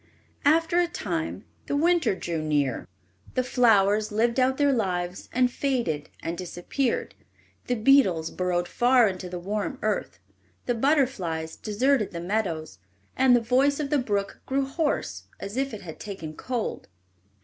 After a time the winter drew near. The flowers lived out their lives and faded and disappeared; the beetles burrowed far into the warm earth; the butterflies deserted the meadows; and the voice of the brook grew hoarse, as if it had taken cold.